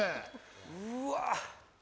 うわ。